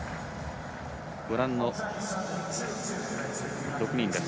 ご覧の６人です。